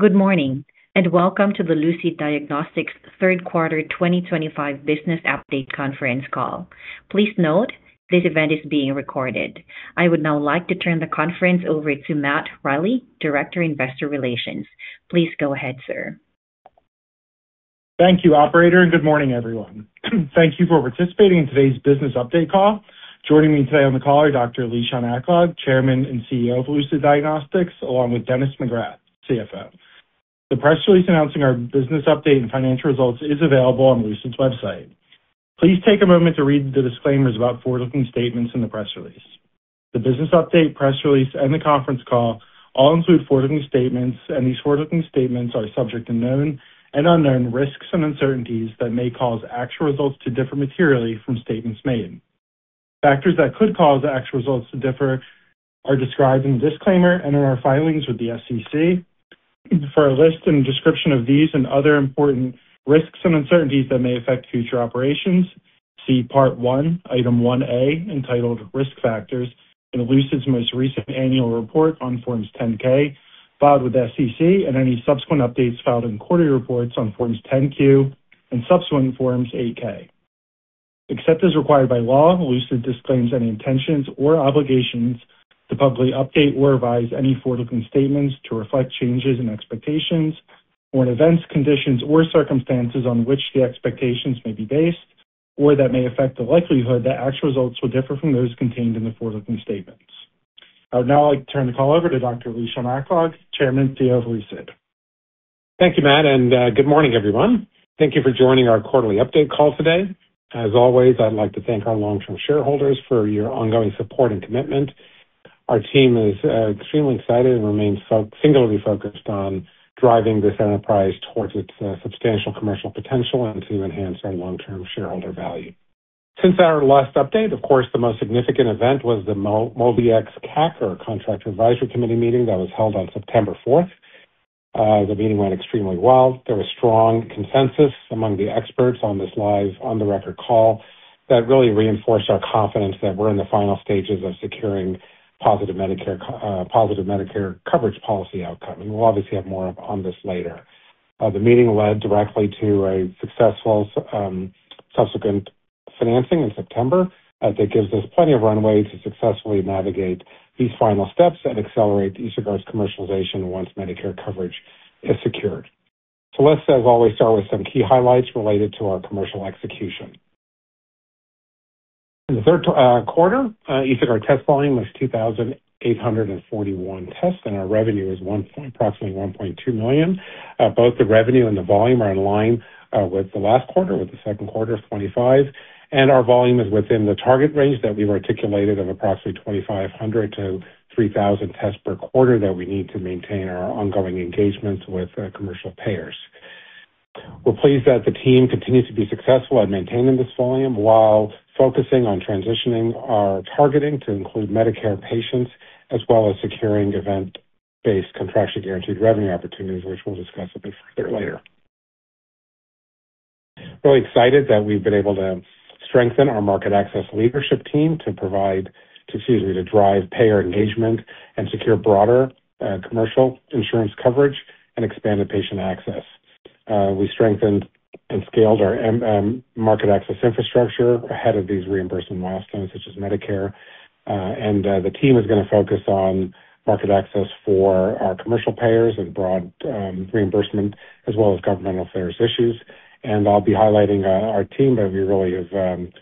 Good morning, and welcome to the Lucid Diagnostics Q3 2025 Business Update Conference call. Please note, this event is being recorded. I would now like to turn the conference over to Matt Riley, Director of Investor Relations. Please go ahead, sir. Thank you, Operator, and good morning, everyone. Thank you for participating in today's business update call. Joining me today on the call are Dr. Lishan Aklog, Chairman and CEO of Lucid Diagnostics, along with Dennis McGrath, CFO. The press release announcing our business update and financial results is available on Lucid's website. Please take a moment to read the disclaimers about forward-looking statements in the press release. The business update, press release, and the conference call all include forward-looking statements, and these forward-looking statements are subject to known and unknown risks and uncertainties that may cause actual results to differ materially from statements made. Factors that could cause actual results to differ are described in the disclaimer and in our filings with the SEC. For a list and description of these and other important risks and uncertainties that may affect future operations, see Part 1, Item 1A, entitled Risk Factors, in Lucid's most recent annual report on Forms 10-K filed with SEC and any subsequent updates filed in quarterly reports on Forms 10-Q and subsequent Forms 8-K. Except as required by law, Lucid disclaims any intentions or obligations to publicly update or revise any forward-looking statements to reflect changes in expectations or in events, conditions, or circumstances on which the expectations may be based or that may affect the likelihood that actual results will differ from those contained in the forward-looking statements. I would now like to turn the call over to Dr. Lishan Aklog, Chairman and CEO of Lucid. Thank you, Matt, and good morning, everyone. Thank you for joining our quarterly update call today. As always, I'd like to thank our long-term shareholders for your ongoing support and commitment. Our team is extremely excited and remains singularly focused on driving this enterprise towards its substantial commercial potential and to enhance our long-term shareholder value. Since our last update, of course, the most significant event was the Contractor Advisory Committee meeting that was held on September 4th. The meeting went extremely well. There was strong consensus among the experts on this live on-the-record call that really reinforced our confidence that we're in the final stages of securing positive Medicare coverage policy outcome. We will obviously have more on this later. The meeting led directly to a successful subsequent financing in September. That gives us plenty of runway to successfully navigate these final steps and accelerate EsoGuard's commercialization once Medicare coverage is secured. Let's, as always, start with some key highlights related to our commercial execution. In the third quarter, EsoGuard test volume was 2,841 tests, and our revenue is approximately $1.2 million. Both the revenue and the volume are in line with the last quarter, with the second quarter of 2025. Our volume is within the target range that we've articulated of approximately 2,500-3,000 tests per quarter that we need to maintain our ongoing engagements with commercial payers. We're pleased that the team continues to be successful at maintaining this volume while focusing on transitioning our targeting to include Medicare patients as well as securing event-based, contraction-guaranteed revenue opportunities, which we'll discuss a bit further later. Really excited that we've been able to strengthen our market access leadership team to provide, excuse me, to drive payer engagement and secure broader commercial insurance coverage and expanded patient access. We strengthened and scaled our market access infrastructure ahead of these reimbursement milestones such as Medicare. The team is going to focus on market access for our commercial payers and broad reimbursement as well as governmental affairs issues. I'll be highlighting our team, but we really have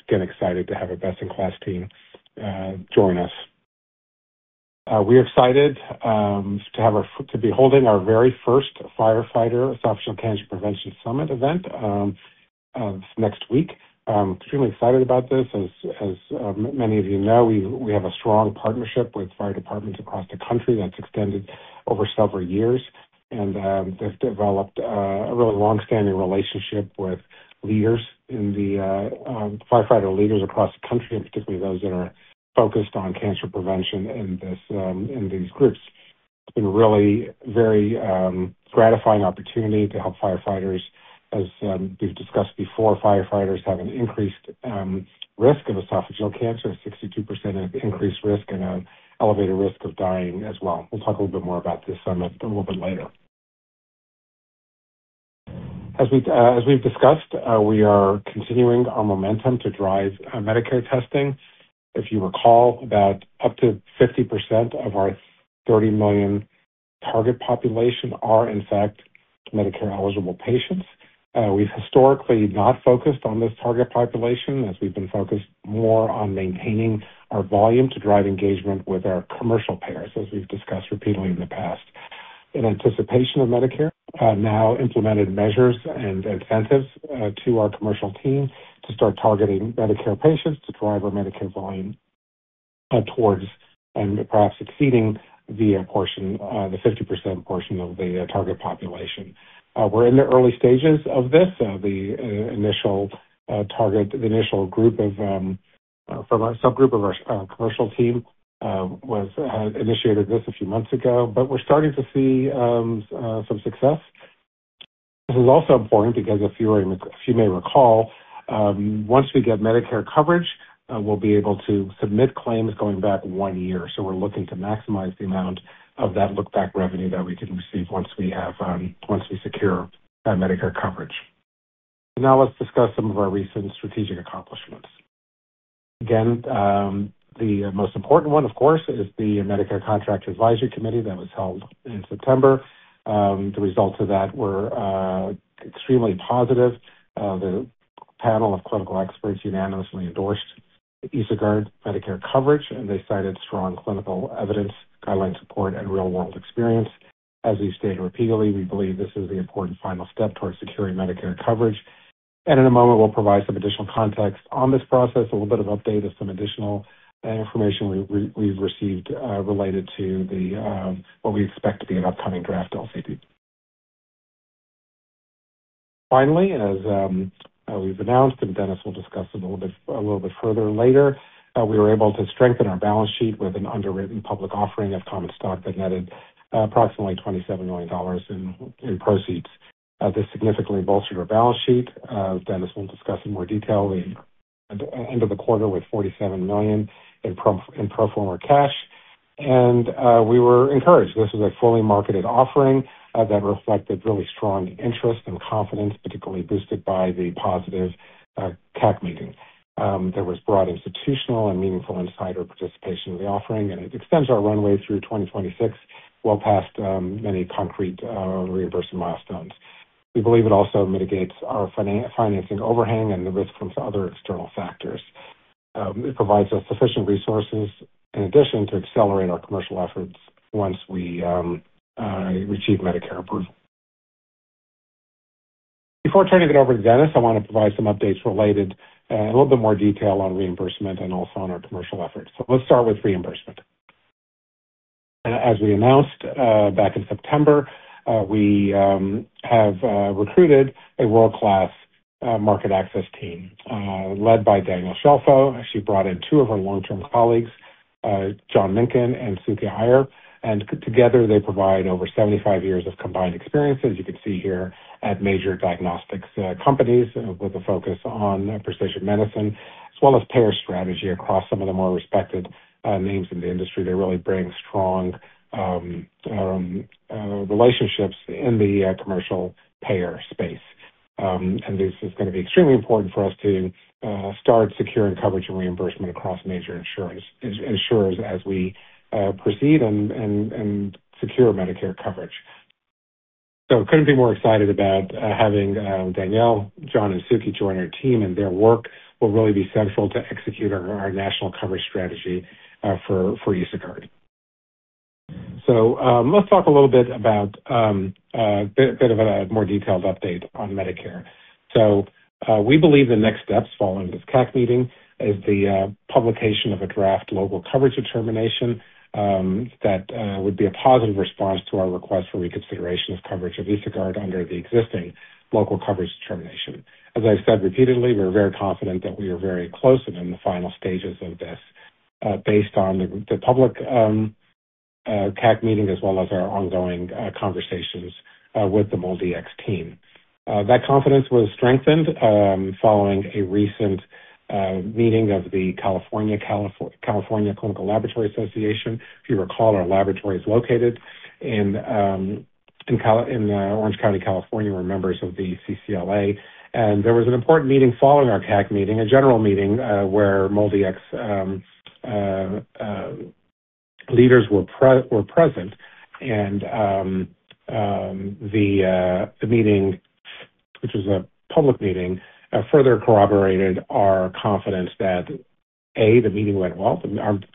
been excited to have a best-in-class team join us. We are excited to be holding our very first Firefighter Esophageal Cancer Prevention Summit event next week. Extremely excited about this. As many of you know, we have a strong partnership with fire departments across the country that's extended over several years. They've developed a really long-standing relationship with leaders in the firefighter leaders across the country, and particularly those that are focused on cancer prevention in these groups. It's been a really very gratifying opportunity to help firefighters. As we've discussed before, firefighters have an increased risk of esophageal cancer of 62%, an increased risk and an elevated risk of dying as well. We'll talk a little bit more about this summit a little bit later. As we've discussed, we are continuing our momentum to drive Medicare testing. If you recall, about up to 50% of our 30 million target population are, in fact, Medicare-eligible patients. We've historically not focused on this target population, as we've been focused more on maintaining our volume to drive engagement with our commercial payers, as we've discussed repeatedly in the past. In anticipation of Medicare, now implemented measures and incentives to our commercial team to start targeting Medicare patients to drive our Medicare volume towards and perhaps exceeding the portion, the 50% portion of the target population. We're in the early stages of this. The initial target, the initial group of from a subgroup of our commercial team had initiated this a few months ago, but we're starting to see some success. This is also important because, if you may recall, once we get Medicare coverage, we'll be able to submit claims going back one year. So we're looking to maximize the amount of that look-back revenue that we can receive once we secure Medicare coverage. Now let's discuss some of our recent strategic accomplishments. Again, the most important one, of course, is the Medicare Contractor Advisory Committee that was held in September. The results of that were extremely positive. The panel of clinical experts unanimously endorsed EsoGuard Medicare coverage, and they cited strong clinical evidence, guideline support, and real-world experience. As we've stated repeatedly, we believe this is the important final step towards securing Medicare coverage. In a moment, we'll provide some additional context on this process, a little bit of update of some additional information we've received related to what we expect to be an upcoming draft LCD. Finally, as we've announced, and Dennis will discuss a little bit further later, we were able to strengthen our balance sheet with an underwritten public offering of common stock that netted approximately $27 million in proceeds. This significantly bolstered our balance sheet. Dennis will discuss in more detail the end of the quarter with $47 million in pro forma cash. We were encouraged. This was a fully marketed offering that reflected really strong interest and confidence, particularly boosted by the positive CAC meeting. There was broad institutional and meaningful insider participation in the offering, and it extends our runway through 2026, well past many concrete reimbursement milestones. We believe it also mitigates our financing overhang and the risk from other external factors. It provides us sufficient resources in addition to accelerate our commercial efforts once we achieve Medicare approval. Before turning it over to Dennis, I want to provide some updates related in a little bit more detail on reimbursement and also on our commercial efforts. Let's start with reimbursement. As we announced back in September, we have recruited a world-class market access team led by Daniel Scheffo. She brought in two of her long-term colleagues, John Minken and Suki Iyer. Together, they provide over 75 years of combined experience, as you can see here, at major diagnostics companies with a focus on precision medicine, as well as payer strategy across some of the more respected names in the industry. They really bring strong relationships in the commercial payer space. This is going to be extremely important for us to start securing coverage and reimbursement across major insurers as we proceed and secure Medicare coverage. I could not be more excited about having Daniel, John, and Suki join our team, and their work will really be central to executing our national coverage strategy for EsoGuard. Let's talk a little bit about a bit of a more detailed update on Medicare. We believe the next steps following this CAC meeting is the publication of a draft local coverage determination that would be a positive response to our request for reconsideration of coverage of EsoGuard under the existing local coverage determination. As I've said repeatedly, we're very confident that we are very close and in the final stages of this based on the public CAC meeting as well as our ongoing conversations with the MolDX team. That confidence was strengthened following a recent meeting of the California Clinical Laboratory Association. If you recall, our laboratory is located in Orange County, California. We're members of the CCLA. There was an important meeting following our CAC meeting, a general meeting where MolDX leaders were present. The meeting, which was a public meeting, further corroborated our confidence that, A, the meeting went well. The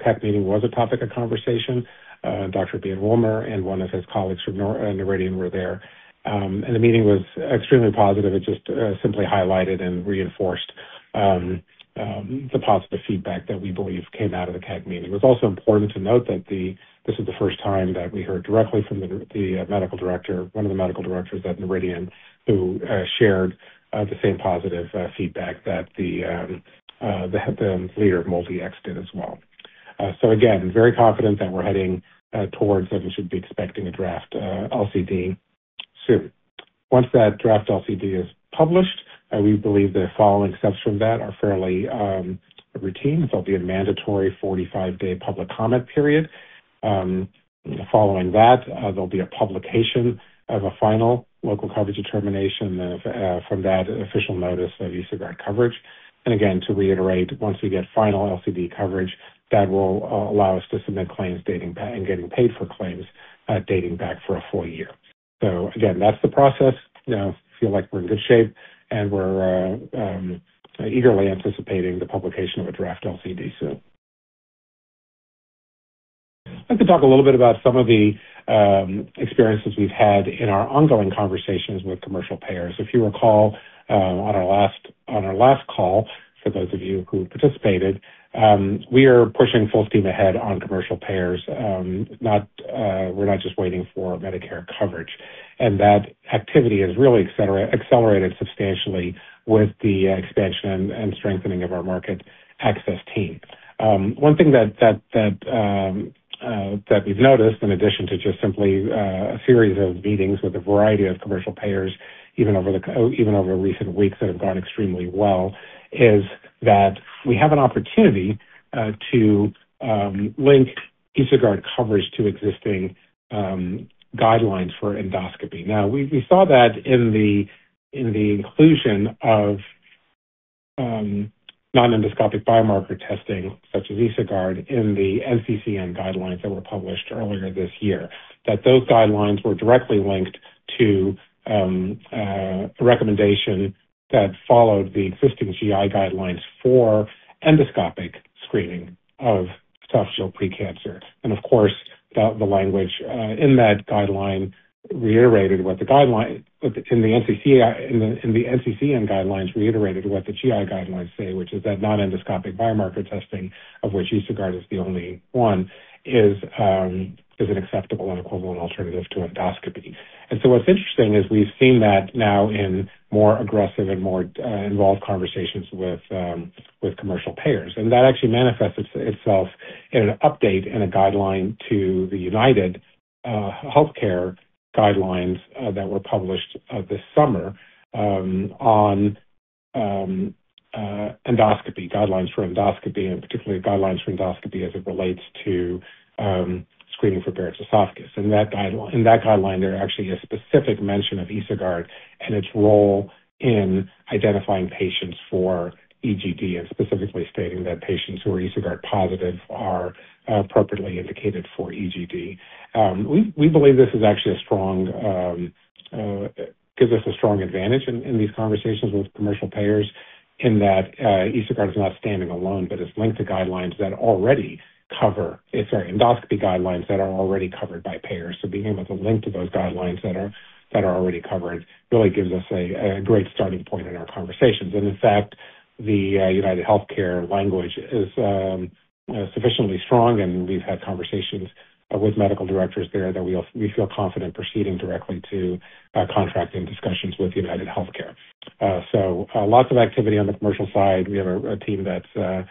CAC meeting was a topic of conversation. Dr. Ian Wilmer and one of his colleagues from Noridian were there. The meeting was extremely positive. It just simply highlighted and reinforced the positive feedback that we believe came out of the CAC meeting. It was also important to note that this is the first time that we heard directly from the medical director, one of the medical directors at Noridian, who shared the same positive feedback that the leader of MolDX did as well. Again, very confident that we're heading towards and should be expecting a draft LCD soon. Once that draft LCD is published, we believe the following steps from that are fairly routine. There will be a mandatory 45-day public comment period. Following that, there will be a publication of a final local coverage determination from that official notice of EsoGuard coverage. Again, to reiterate, once we get final LCD coverage, that will allow us to submit claims and get paid for claims dating back for a full year. That is the process. I feel like we are in good shape, and we are eagerly anticipating the publication of a draft LCD soon. I would like to talk a little bit about some of the experiences we have had in our ongoing conversations with commercial payers. If you recall, on our last call, for those of you who participated, we are pushing full steam ahead on commercial payers. We are not just waiting for Medicare coverage. That activity has really accelerated substantially with the expansion and strengthening of our market access team. One thing that we've noticed, in addition to just simply a series of meetings with a variety of commercial payers, even over recent weeks that have gone extremely well, is that we have an opportunity to link EsoGuard coverage to existing guidelines for endoscopy. We saw that in the inclusion of non-endoscopic biomarker testing, such as EsoGuard, in the NCCN guidelines that were published earlier this year, that those guidelines were directly linked to a recommendation that followed the existing GI guidelines for endoscopic screening of esophageal precancer. Of course, the language in that guideline reiterated what the guideline in the NCCN guidelines reiterated what the GI guidelines say, which is that non-endoscopic biomarker testing, of which EsoGuard is the only one, is an acceptable and equivalent alternative to endoscopy. What's interesting is we've seen that now in more aggressive and more involved conversations with commercial payers. That actually manifests itself in an update and a guideline to the UnitedHealthcare guidelines that were published this summer on endoscopy, guidelines for endoscopy, and particularly guidelines for endoscopy as it relates to screening for Barrett's esophagus. In that guideline, there actually is specific mention of EsoGuard and its role in identifying patients for EGD, and specifically stating that patients who are EsoGuard positive are appropriately indicated for EGD. We believe this actually gives us a strong advantage in these conversations with commercial payers in that EsoGuard is not standing alone, but it's linked to guidelines that already cover—sorry, endoscopy guidelines that are already covered by payers. Being able to link to those guidelines that are already covered really gives us a great starting point in our conversations. In fact, the UnitedHealthcare language is sufficiently strong, and we've had conversations with medical directors there that we feel confident proceeding directly to contracting discussions with UnitedHealthcare. Lots of activity on the commercial side. We have a team that's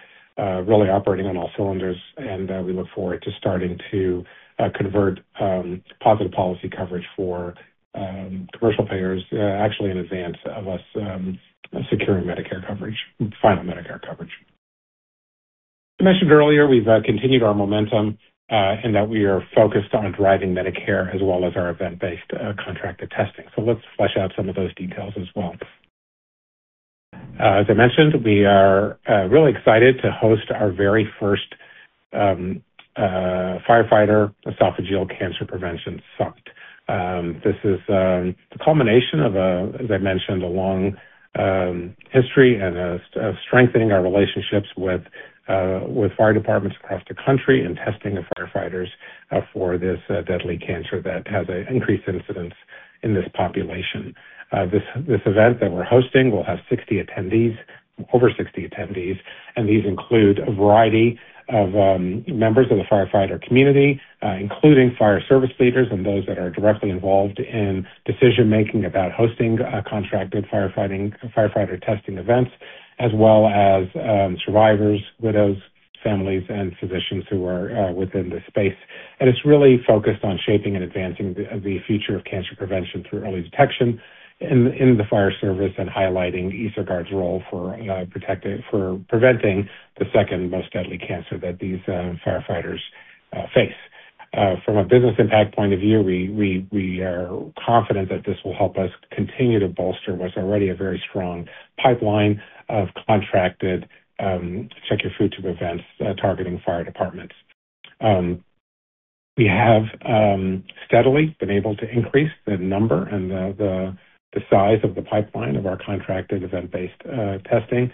really operating on all cylinders, and we look forward to starting to convert positive policy coverage for commercial payers actually in advance of us securing Medicare coverage, final Medicare coverage. I mentioned earlier we've continued our momentum and that we are focused on driving Medicare as well as our event-based contracted testing. Let's flesh out some of those details as well. As I mentioned, we are really excited to host our very first firefighter esophageal cancer prevention summit. This is the culmination of, as I mentioned, a long history in strengthening our relationships with fire departments across the country and testing of firefighters for this deadly cancer that has an increased incidence in this population. This event that we are hosting will have over 60 attendees, and these include a variety of members of the firefighter community, including fire service leaders and those that are directly involved in decision-making about hosting contracted firefighter testing events, as well as survivors, widows, families, and physicians who are within the space. It is really focused on shaping and advancing the future of cancer prevention through early detection in the fire service and highlighting EsoGuard's role for preventing the second most deadly cancer that these firefighters face. From a business impact point of view, we are confident that this will help us continue to bolster what's already a very strong pipeline of contracted Check Your Food Tube events targeting fire departments. We have steadily been able to increase the number and the size of the pipeline of our contracted event-based testing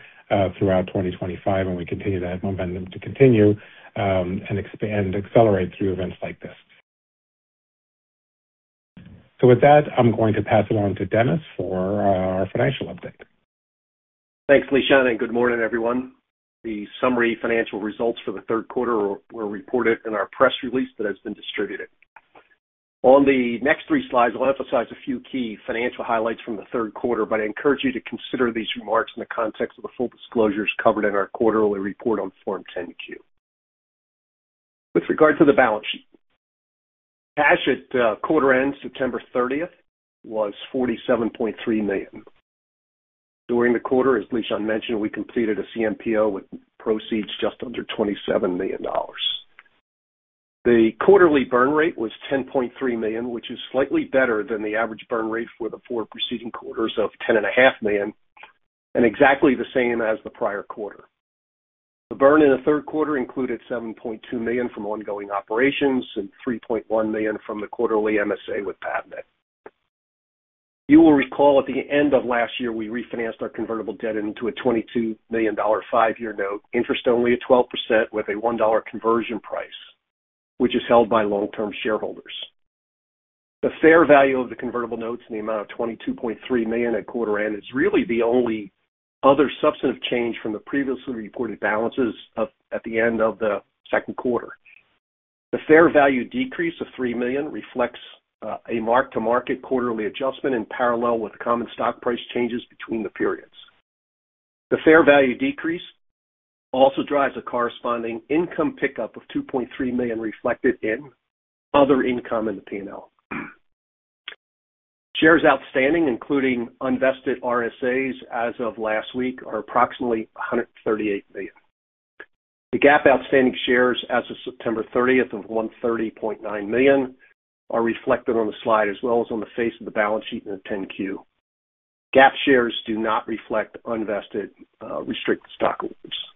throughout 2025, and we continue to have momentum to continue and accelerate through events like this. With that, I'm going to pass it on to Dennis for our financial update. Thanks, Lishan. Good morning, everyone. The summary financial results for the third quarter were reported in our press release that has been distributed. On the next three slides, I'll emphasize a few key financial highlights from the third quarter, but I encourage you to consider these remarks in the context of the full disclosures covered in our quarterly report on Form 10-Q. With regard to the balance sheet, cash at quarter-end September 30th was $47.3 million. During the quarter, as Lishan mentioned, we completed a CMPO with proceeds just under $27 million. The quarterly burn rate was $10.3 million, which is slightly better than the average burn rate for the four preceding quarters of $10.5 million, and exactly the same as the prior quarter. The burn in the third quarter included $7.2 million from ongoing operations and $3.1 million from the quarterly MSA with PAVmed. You will recall at the end of last year, we refinanced our convertible debt into a $22 million five-year note, interest only at 12% with a $1 conversion price, which is held by long-term shareholders. The fair value of the convertible notes in the amount of $22.3 million at quarter-end is really the only other substantive change from the previously reported balances at the end of the second quarter. The fair value decrease of $3 million reflects a mark-to-market quarterly adjustment in parallel with common stock price changes between the periods. The fair value decrease also drives a corresponding income pickup of $2.3 million reflected in other income in the P&L. Shares outstanding, including unvested RSAs as of last week, are approximately 138 million. The GAAP outstanding shares as of September 30th of $130.9 million are reflected on the slide as well as on the face of the balance sheet in the 10-Q. GAAP shares do not reflect unvested restricted stock holders.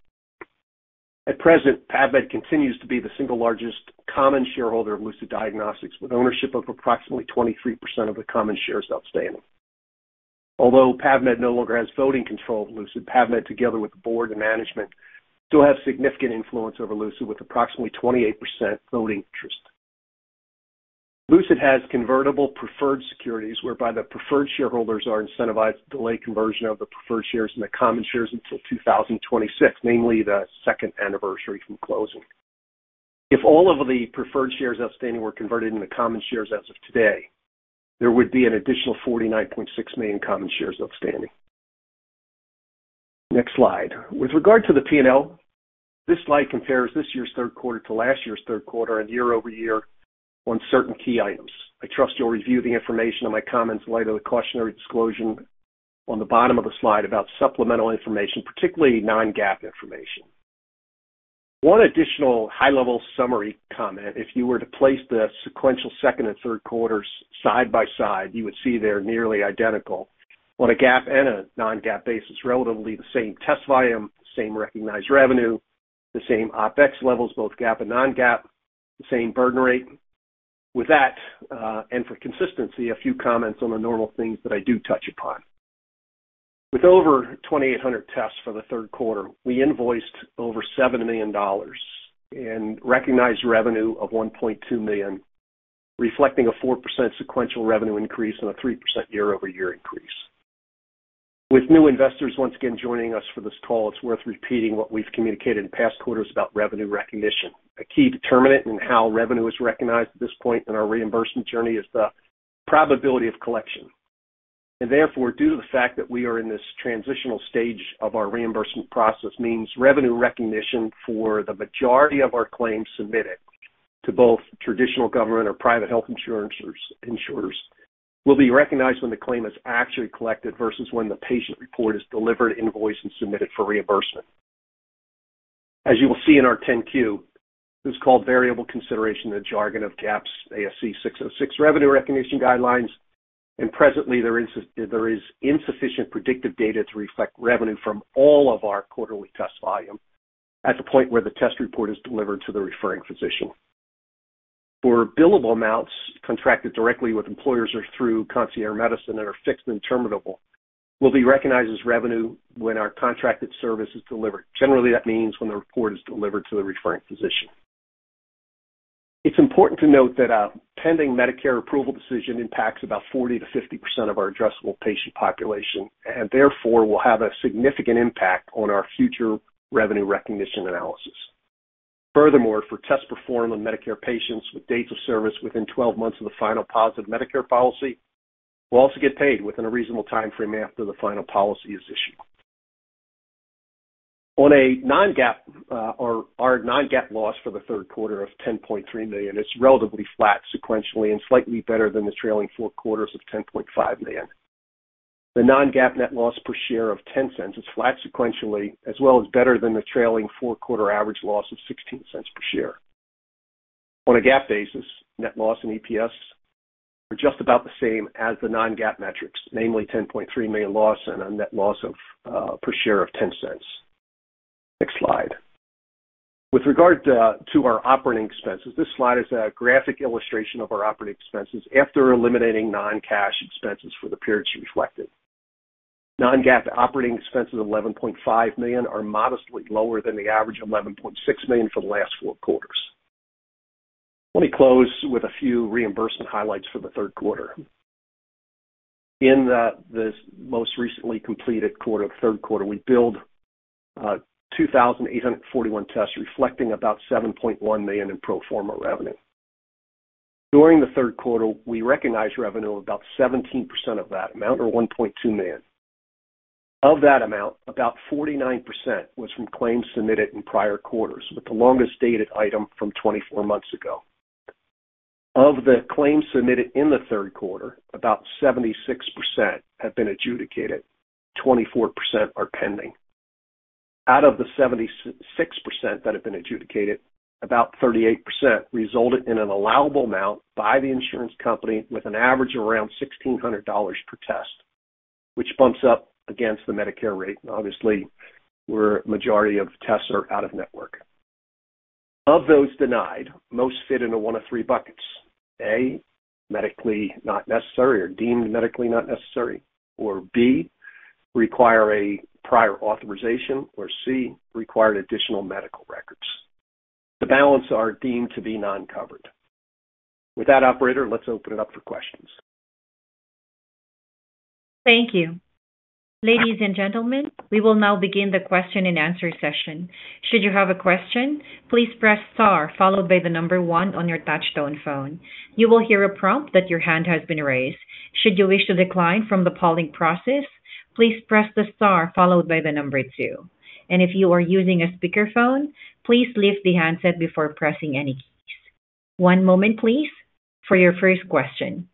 At present, PAVmed continues to be the single largest common shareholder of Lucid Diagnostics, with ownership of approximately 23% of the common shares outstanding. Although PAVmed no longer has voting control of Lucid, PAVmed, together with the board and management, still has significant influence over Lucid with approximately 28% voting interest. Lucid has convertible preferred securities, whereby the preferred shareholders are incentivized to delay conversion of the preferred shares into common shares until 2026, namely the second anniversary from closing. If all of the preferred shares outstanding were converted into common shares as of today, there would be an additional 49.6 million common shares outstanding. Next slide. With regard to the P&L, this slide compares this year's third quarter to last year's third quarter and year-over-year on certain key items. I trust you'll review the information on my comments in light of the cautionary disclosure on the bottom of the slide about supplemental information, particularly non-GAAP information. One additional high-level summary comment: if you were to place the sequential second and third quarters side by side, you would see they're nearly identical on a GAAP and a non-GAAP basis, relatively the same test volume, the same recognized revenue, the same OpEx levels, both GAAP and non-GAAP, the same burden rate. With that, and for consistency, a few comments on the normal things that I do touch upon. With over 2,800 tests for the third quarter, we invoiced over $7 million in recognized revenue of $1.2 million, reflecting a 4% sequential revenue increase and a 3% year-over-year increase. With new investors once again joining us for this call, it's worth repeating what we've communicated in past quarters about revenue recognition. A key determinant in how revenue is recognized at this point in our reimbursement journey is the probability of collection. Therefore, due to the fact that we are in this transitional stage of our reimbursement process, revenue recognition for the majority of our claims submitted to both traditional government or private health insurers will be recognized when the claim is actually collected versus when the patient report is delivered, invoiced, and submitted for reimbursement. As you will see in our 10-Q, this is called variable consideration in the jargon of GAAP's ASC 606 revenue recognition guidelines, and presently, there is insufficient predictive data to reflect revenue from all of our quarterly test volume at the point where the test report is delivered to the referring physician. For billable amounts contracted directly with employers or through concierge medicine that are fixed and terminable, will be recognized as revenue when our contracted service is delivered. Generally, that means when the report is delivered to the referring physician. It's important to note that a pending Medicare approval decision impacts about 40%-50% of our addressable patient population and therefore will have a significant impact on our future revenue recognition analysis. Furthermore, for tests performed on Medicare patients with dates of service within 12 months of the final positive Medicare policy, will also get paid within a reasonable timeframe after the final policy is issued. On a non-GAAP, our non-GAAP loss for the third quarter of $10.3 million is relatively flat sequentially and slightly better than the trailing four quarters of $10.5 million. The non-GAAP net loss per share of $0.10 is flat sequentially as well as better than the trailing four-quarter average loss of $0.16 per share. On a GAAP basis, net loss and EPS are just about the same as the non-GAAP metrics, namely $10.3 million loss and a net loss per share of $0.10. Next slide. With regard to our operating expenses, this slide is a graphic illustration of our operating expenses after eliminating non-cash expenses for the periods reflected. Non-GAAP operating expenses of $11.5 million are modestly lower than the average of $11.6 million for the last four quarters. Let me close with a few reimbursement highlights for the third quarter. In the most recently completed third quarter, we billed 2,841 tests reflecting about $7.1 million in pro forma revenue. During the third quarter, we recognized revenue of about 17% of that amount, or $1.2 million. Of that amount, about 49% was from claims submitted in prior quarters, with the longest dated item from 24 months ago. Of the claims submitted in the third quarter, about 76% have been adjudicated. 24% are pending. Out of the 76% that have been adjudicated, about 38% resulted in an allowable amount by the insurance company with an average of around $1,600 per test, which bumps up against the Medicare rate. Obviously, where a majority of tests are out of network. Of those denied, most fit into one of three buckets: A, medically not necessary or deemed medically not necessary, or B, require a prior authorization, or C, require additional medical records. The balance are deemed to be non-covered. With that, operator, let's open it up for questions. Thank you. Ladies and gentlemen, we will now begin the question and answer session. Should you have a question, please press star followed by the number one on your touch-tone phone. You will hear a prompt that your hand has been raised. Should you wish to decline from the polling process, please press the star followed by the number two. If you are using a speakerphone, please lift the handset before pressing any keys. One moment, please, for your first question.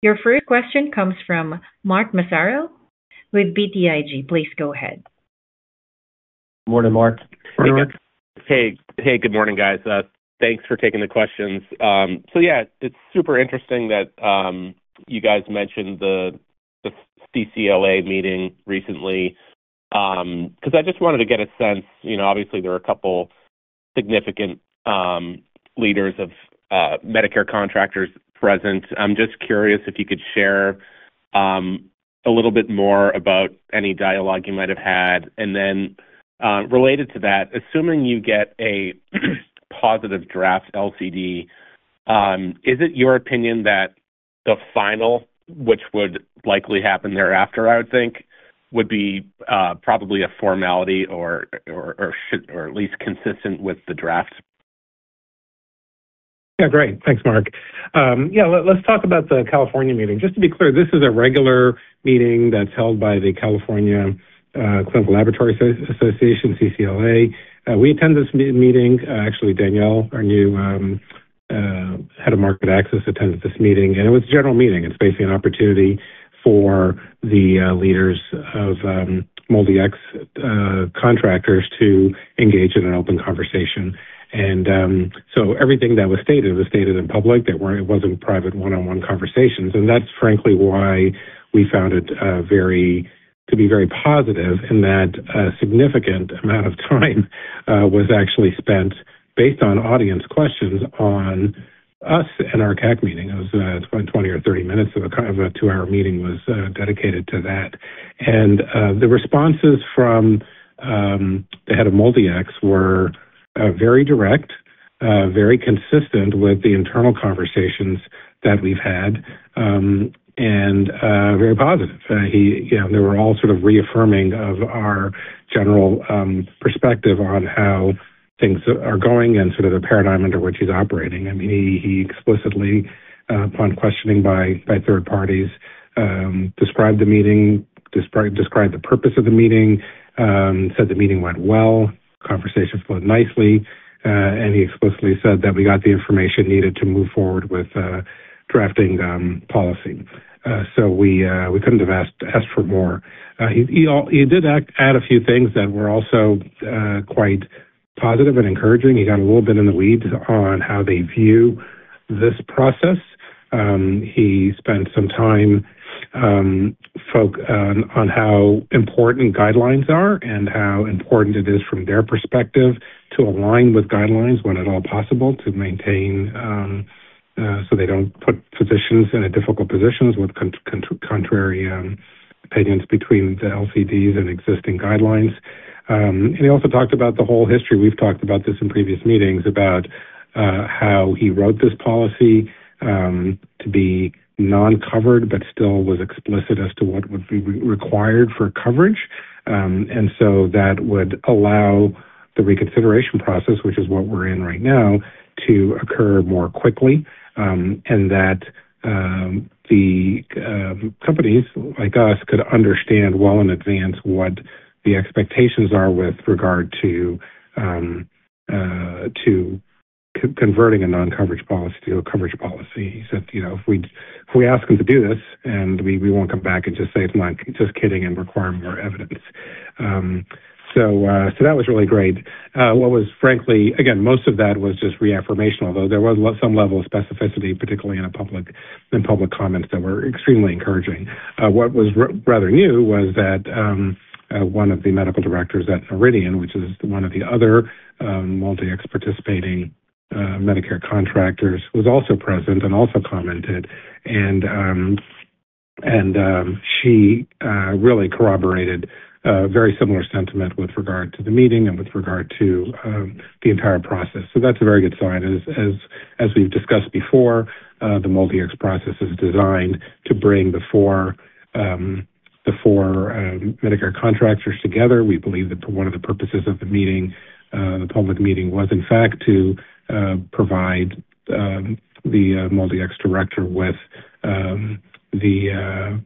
Your first question comes from Mark Massaro with BTIG. Please go ahead. Morning, Mark. Morning, Mark. Hey, good morning, guys. Thanks for taking the questions. Yeah, it's super interesting that you guys mentioned the CCLA meeting recently because I just wanted to get a sense. Obviously, there are a couple of significant leaders of Medicare contractors present. I'm just curious if you could share a little bit more about any dialogue you might have had. Related to that, assuming you get a positive draft LCD, is it your opinion that the final, which would likely happen thereafter, I would think, would be probably a formality or at least consistent with the draft? Yeah, great. Thanks, Mark. Yeah, let's talk about the California meeting. Just to be clear, this is a regular meeting that's held by the California Clinical Laboratory Association, CCLA. We attend this meeting. Actually, Danielle, our new head of market access, attends this meeting. It was a general meeting. It's basically an opportunity for the leaders of MolDX contractors to engage in an open conversation. Everything that was stated was stated in public. It wasn't private one-on-one conversations. That's frankly why we found it to be very positive in that a significant amount of time was actually spent based on audience questions on us and our CAC meeting. It was 20 or 30 minutes of a two-hour meeting was dedicated to that. The responses from the head of MolDX were very direct, very consistent with the internal conversations that we've had, and very positive. They were all sort of reaffirming of our general perspective on how things are going and sort of the paradigm under which he's operating. I mean, he explicitly, upon questioning by third parties, described the meeting, described the purpose of the meeting, said the meeting went well, conversations flowed nicely, and he explicitly said that we got the information needed to move forward with drafting policy. We couldn't have asked for more. He did add a few things that were also quite positive and encouraging. He got a little bit in the weeds on how they view this process. He spent some time on how important guidelines are and how important it is from their perspective to align with guidelines when at all possible to maintain so they don't put physicians in a difficult position with contrary opinions between the LCDs and existing guidelines. He also talked about the whole history. We've talked about this in previous meetings about how he wrote this policy to be non-covered but still was explicit as to what would be required for coverage. That would allow the reconsideration process, which is what we're in right now, to occur more quickly and that companies like us could understand well in advance what the expectations are with regard to converting a non-coverage policy to a coverage policy. He said, "If we ask him to do this, we won't come back and just say it's just kidding and require more evidence." That was really great. Again, most of that was just reaffirmation, although there was some level of specificity, particularly in public comments that were extremely encouraging. What was rather new was that one of the medical directors at Meridian, which is one of the other Multi-X participating Medicare contractors, was also present and also commented. She really corroborated a very similar sentiment with regard to the meeting and with regard to the entire process. That is a very good sign. As we've discussed before, the Multi-X process is designed to bring the four Medicare contractors together. We believe that one of the purposes of the meeting, the public meeting, was in fact to provide the Multi-X director with the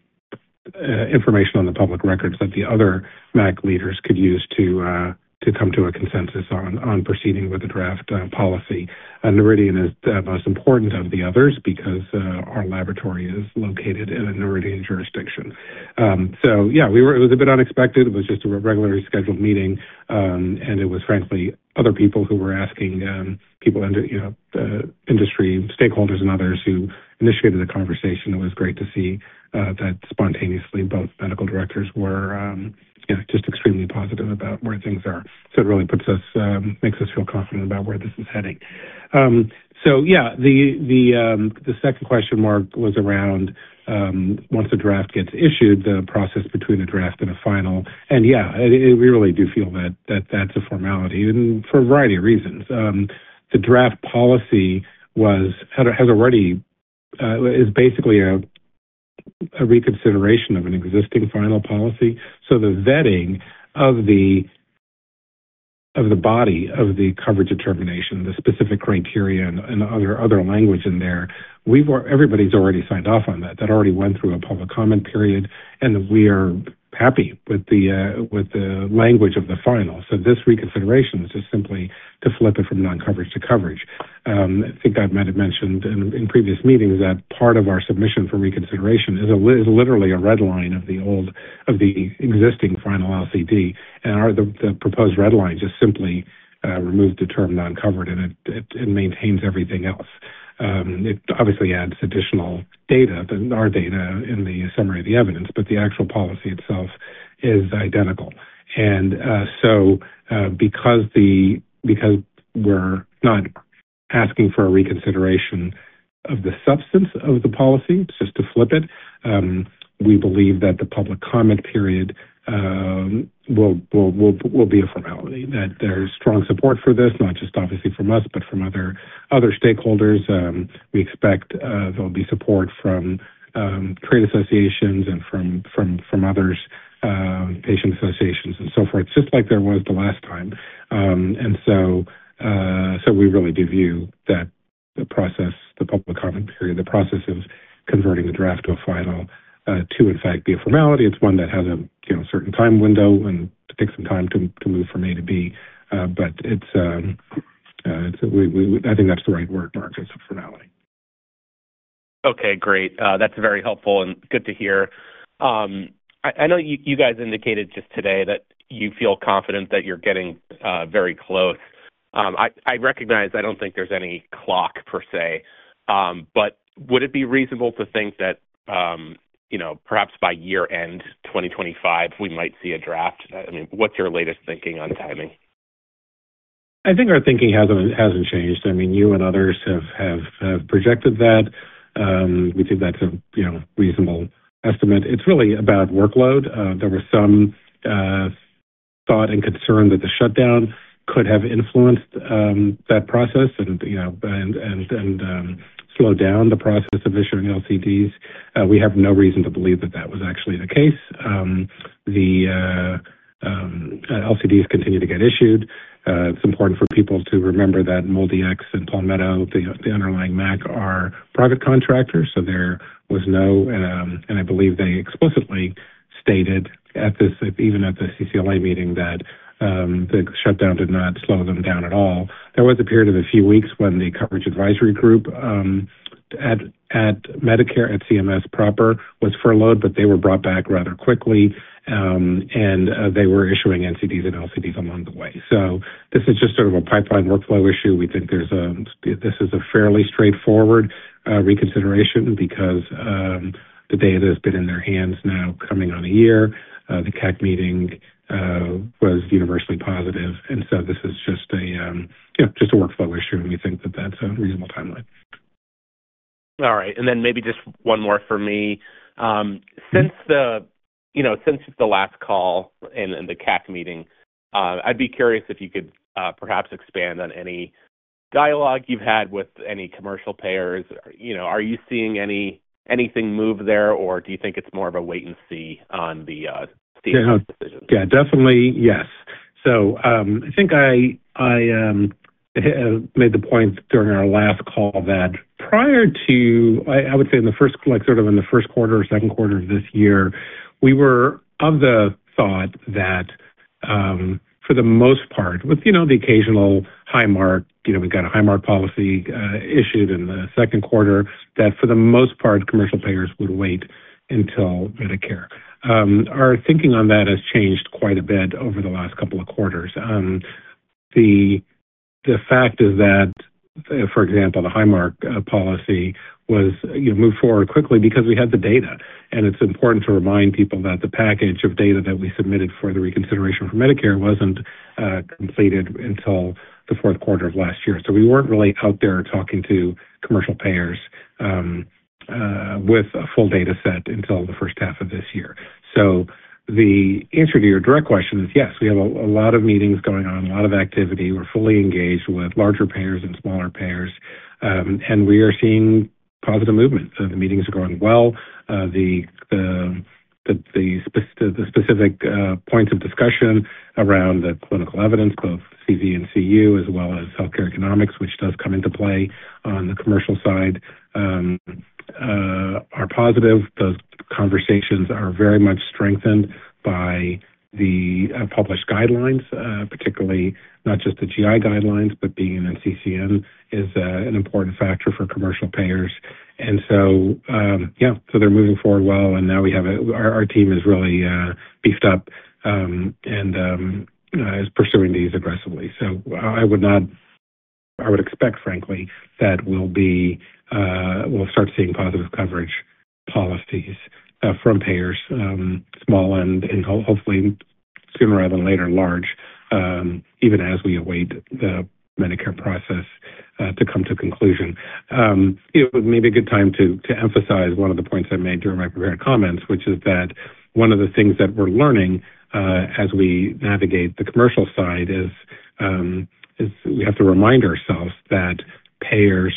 information on the public records that the other MAC leaders could use to come to a consensus on proceeding with the draft policy. Meridian is the most important of the others because our laboratory is located in a Meridian jurisdiction. Yeah, it was a bit unexpected. It was just a regularly scheduled meeting. It was frankly other people who were asking people in the industry, stakeholders, and others who initiated the conversation. It was great to see that spontaneously both medical directors were just extremely positive about where things are. It really makes us feel confident about where this is heading. Yeah, the second question, Mark, was around once the draft gets issued, the process between a draft and a final. Yeah, we really do feel that that's a formality for a variety of reasons. The draft policy is basically a reconsideration of an existing final policy. The vetting of the body of the coverage determination, the specific criteria and other language in there, everybody's already signed off on that. That already went through a public comment period. We are happy with the language of the final. This reconsideration is just simply to flip it from non-coverage to coverage. I think I might have mentioned in previous meetings that part of our submission for reconsideration is literally a red line of the existing final LCD. The proposed red line just simply removes the term non-covered and maintains everything else. It obviously adds additional data, our data, in the summary of the evidence, but the actual policy itself is identical. Because we're not asking for a reconsideration of the substance of the policy, just to flip it, we believe that the public comment period will be a formality, that there's strong support for this, not just obviously from us, but from other stakeholders. We expect there'll be support from trade associations and from others, patient associations, and so forth, just like there was the last time. We really do view that the process, the public comment period, the process of converting the draft to a final to, in fact, be a formality. It's one that has a certain time window and takes some time to move from A to B. I think that's the right word, Mark, is a formality. Okay, great. That's very helpful and good to hear. I know you guys indicated just today that you feel confident that you're getting very close. I recognize I don't think there's any clock per se, but would it be reasonable to think that perhaps by year-end 2025, we might see a draft? I mean, what's your latest thinking on timing? I think our thinking hasn't changed. I mean, you and others have projected that. We think that's a reasonable estimate. It's really about workload. There was some thought and concern that the shutdown could have influenced that process and slowed down the process of issuing LCDs. We have no reason to believe that that was actually the case. The LCDs continue to get issued. It's important for people to remember that MolDX and Palmetto, the underlying MAC, are private contractors. So there was no—and I believe they explicitly stated, even at the CCLA meeting, that the shutdown did not slow them down at all. There was a period of a few weeks when the coverage advisory group at Medicare, at CMS proper, was furloughed, but they were brought back rather quickly. And they were issuing NCDs and LCDs along the way. This is just sort of a pipeline workflow issue. We think this is a fairly straightforward reconsideration because the data has been in their hands now coming on a year. The CAC meeting was universally positive. This is just a workflow issue, and we think that that is a reasonable timeline. All right. Maybe just one more for me. Since the last call and the CAC meeting, I'd be curious if you could perhaps expand on any dialogue you've had with any commercial payers. Are you seeing anything move there, or do you think it's more of a wait and see on the CMS decision? Yeah, definitely, yes. I think I made the point during our last call that prior to—I would say in the first, sort of in the first quarter or second quarter of this year, we were of the thought that for the most part, with the occasional Highmark, we have got a Highmark policy issued in the second quarter, that for the most part, commercial payers would wait until Medicare. Our thinking on that has changed quite a bit over the last couple of quarters. The fact is that, for example, the Highmark policy was moved forward quickly because we had the data. It is important to remind people that the package of data that we submitted for the reconsideration for Medicare was not completed until the fourth quarter of last year. We were not really out there talking to commercial payers with a full data set until the first half of this year. The answer to your direct question is yes, we have a lot of meetings going on, a lot of activity. We are fully engaged with larger payers and smaller payers. We are seeing positive movement. The meetings are going well. The specific points of discussion around the clinical evidence, both CV and CU, as well as healthcare economics, which does come into play on the commercial side, are positive. Those conversations are very much strengthened by the published guidelines, particularly not just the GI guidelines, but being in NCCN is an important factor for commercial payers. They are moving forward well. Now we have our team really beefed up and pursuing these aggressively. I would expect, frankly, that we'll start seeing positive coverage policies from payers, small and hopefully sooner rather than later large, even as we await the Medicare process to come to conclusion. It would maybe be a good time to emphasize one of the points I made during my prepared comments, which is that one of the things that we're learning as we navigate the commercial side is we have to remind ourselves that payers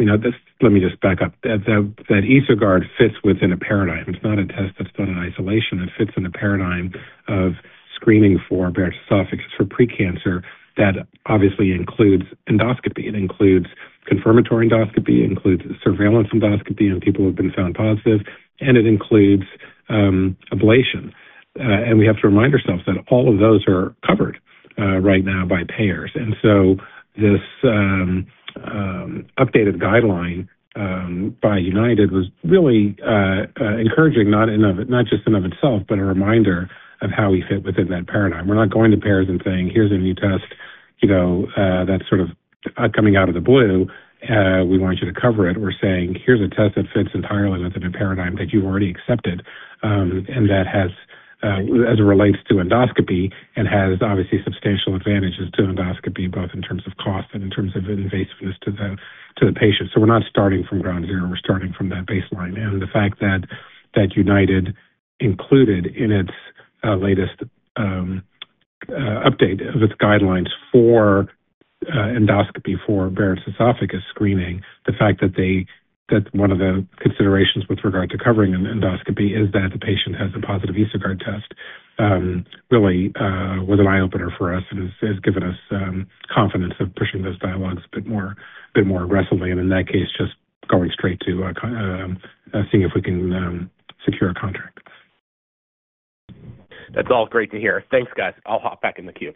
already—let me just back up—that EsoGuard fits within a paradigm. It's not a test that's done in isolation. It fits in a paradigm of screening for Barrett's esophagus for precancer that obviously includes endoscopy. It includes confirmatory endoscopy, includes surveillance endoscopy on people who have been found positive, and it includes ablation. We have to remind ourselves that all of those are covered right now by payers. This updated guideline by United was really encouraging, not just in and of itself, but a reminder of how we fit within that paradigm. We're not going to payers and saying, "Here's a new test that's sort of coming out of the blue. We want you to cover it." We're saying, "Here's a test that fits entirely within a paradigm that you've already accepted and that has, as it relates to endoscopy, and has obviously substantial advantages to endoscopy, both in terms of cost and in terms of invasiveness to the patient." We're not starting from ground zero. We're starting from that baseline. The fact that United included in its latest update of its guidelines for endoscopy for Barrett's esophagus screening, the fact that one of the considerations with regard to covering endoscopy is that the patient has a positive EsoGuard test really was an eye-opener for us and has given us confidence of pushing those dialogues a bit more aggressively. In that case, just going straight to seeing if we can secure a contract. That's all great to hear. Thanks, guys. I'll hop back in the queue.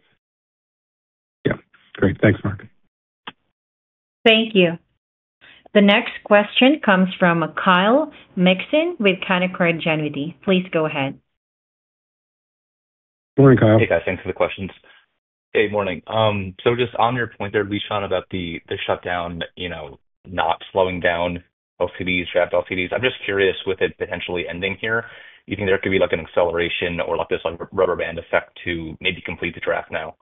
Yeah. Great. Thanks, Mark. Thank you. The next question comes from Kyle Mixon with Canaccord Genuity. Please go ahead. Good morning, Kyle. Hey, guys. Thanks for the questions. Hey, morning. Just on your point there, Lishan, about the shutdown not slowing down LCDs, draft LCDs, I'm just curious with it potentially ending here. You think there could be an acceleration or this rubber band effect to maybe complete the draft now?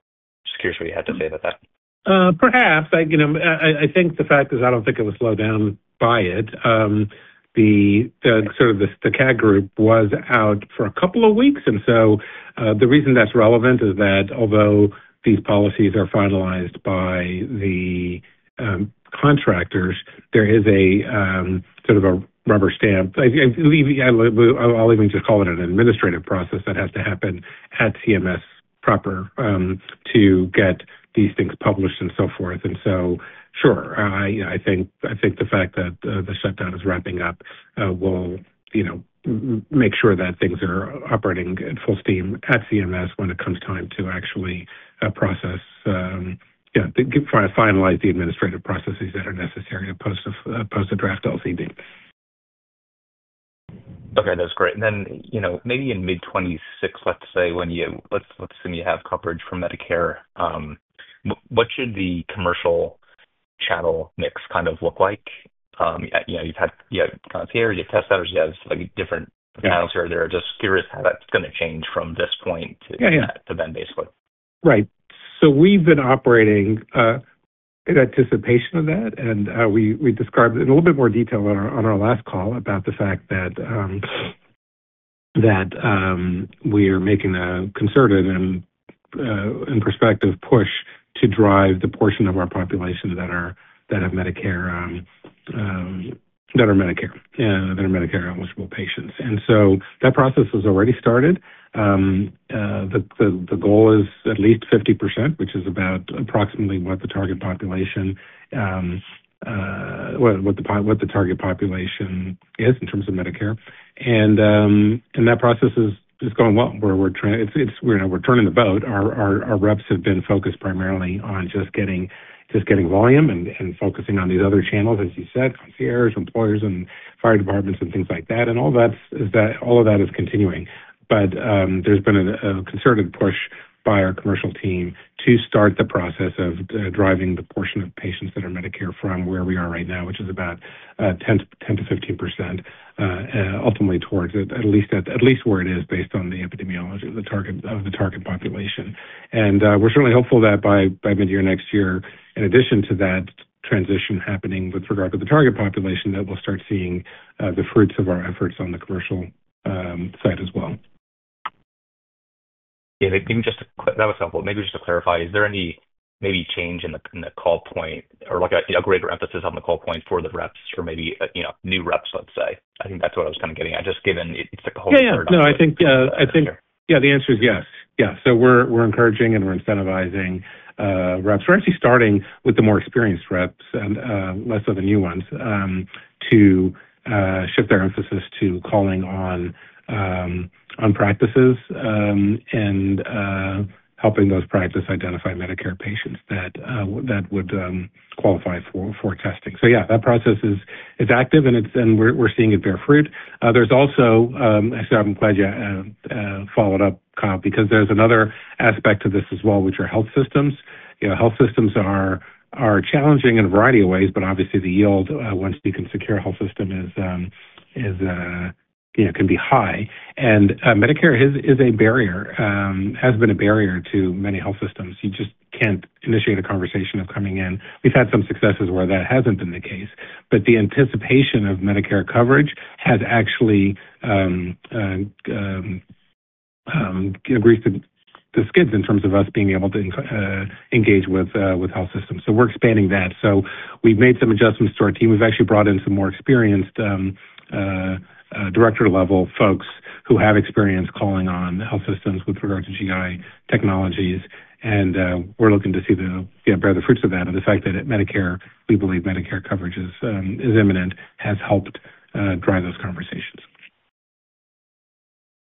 Just curious what you had to say about that. Perhaps. I think the fact is I don't think it was slowed down by it. Sort of the CAC group was out for a couple of weeks. The reason that's relevant is that although these policies are finalized by the contractors, there is sort of a rubber stamp. I'll even just call it an administrative process that has to happen at CMS proper to get these things published and so forth. Sure, I think the fact that the shutdown is wrapping up will make sure that things are operating at full steam at CMS when it comes time to actually process, finalize the administrative processes that are necessary to post a draft LCD. Okay, that's great. Maybe in mid-2026, let's say when you—let's assume you have coverage from Medicare, what should the commercial channel mix kind of look like? You've had concierge, you have test setters, you have different channels. We're just curious how that's going to change from this point to then basically. Right. We have been operating in anticipation of that. We described it in a little bit more detail on our last call about the fact that we are making a concerted and prospective push to drive the portion of our population that have Medicare, that are Medicare eligible patients. That process has already started. The goal is at least 50%, which is approximately what the target population is in terms of Medicare. That process is going well. We are turning the boat. Our reps have been focused primarily on just getting volume and focusing on these other channels, as you said, concierge, employers, and fire departments, and things like that. All of that is continuing. There has been a concerted push by our commercial team to start the process of driving the portion of patients that are Medicare from where we are right now, which is about 10-15%, ultimately towards at least where it is based on the epidemiology of the target population. We are certainly hopeful that by mid-year, next year, in addition to that transition happening with regard to the target population, we will start seeing the fruits of our efforts on the commercial side as well. Yeah, maybe just a quick—that was helpful. Maybe just to clarify, is there any maybe change in the call point or a greater emphasis on the call point for the reps or maybe new reps, let's say? I think that's what I was kind of getting. I just given it's a whole different. Yeah, no, I think, yeah, the answer is yes. Yeah. We're encouraging and we're incentivizing reps. We're actually starting with the more experienced reps, less of the new ones, to shift their emphasis to calling on practices and helping those practices identify Medicare patients that would qualify for testing. Yeah, that process is active, and we're seeing it bear fruit. There's also—I'm glad you followed up, Kyle, because there's another aspect of this as well, which are health systems. Health systems are challenging in a variety of ways, but obviously the yield once you can secure a health system can be high. Medicare is a barrier, has been a barrier to many health systems. You just can't initiate a conversation of coming in. We've had some successes where that hasn't been the case. The anticipation of Medicare coverage has actually greased the skids in terms of us being able to engage with health systems. We are expanding that. We have made some adjustments to our team. We have actually brought in some more experienced director-level folks who have experience calling on health systems with regard to GI technologies. We are looking to see the bear the fruits of that. The fact that at Medicare, we believe Medicare coverage is imminent, has helped drive those conversations.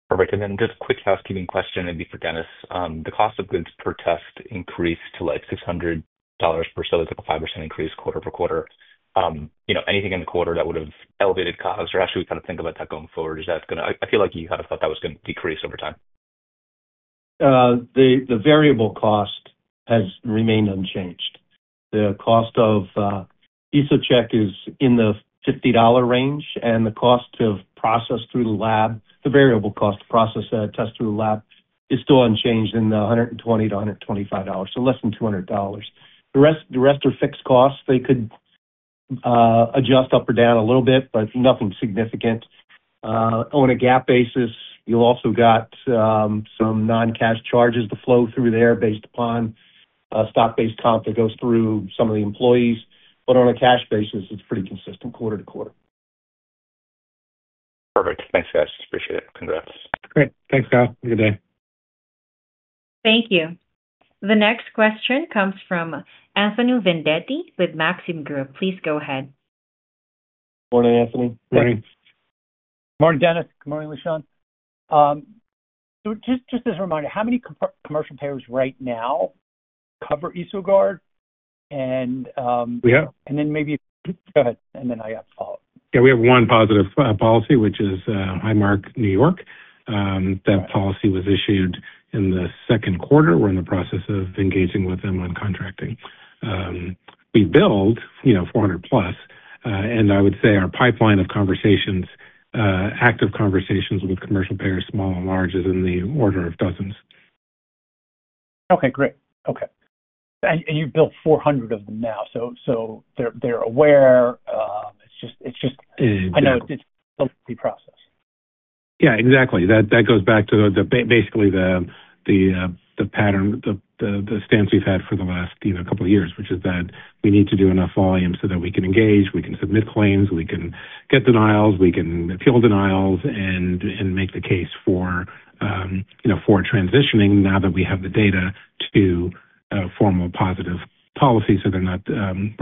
Perfect. Just a quick housekeeping question, maybe for Dennis. The cost of goods per test increased to like $600 per sale, like a 5% increase quarter-over-quarter. Anything in the quarter that would have elevated costs, or how should we kind of think about that going forward? I feel like you kind of thought that was going to decrease over time. The variable cost has remained unchanged. The cost of EsoCheck is in the $50 range, and the cost to process through the lab, the variable cost to process a test through the lab is still unchanged in the $120-$125, so less than $200. The rest are fixed costs. They could adjust up or down a little bit, but nothing significant. On a GAAP basis, you've also got some non-cash charges to flow through there based upon stock-based comp that goes through some of the employees. On a cash basis, it's pretty consistent quarter to quarter. Perfect. Thanks, guys. Appreciate it. Congrats. Great. Thanks, Kyle. Have a good day. Thank you. The next question comes from Anthony Vendetti with Maxim Group. Please go ahead. Good morning, Anthony. Good morning. Good morning, Dennis. Good morning, Lishan. Just as a reminder, how many commercial payers right now cover EsoGuard? Go ahead. I have a follow-up. Yeah, we have one positive policy, which is Highmark New York. That policy was issued in the second quarter. We're in the process of engaging with them on contracting. We billed 400-plus. And I would say our pipeline of conversations, active conversations with commercial payers, small and large, is in the order of dozens. Okay, great. Okay. And you've built 400 of them now. So they're aware. It's just I know it's a lengthy process. Yeah, exactly. That goes back to basically the pattern, the stance we've had for the last couple of years, which is that we need to do enough volume so that we can engage, we can submit claims, we can get denials, we can appeal denials, and make the case for transitioning now that we have the data to formal positive policies so we're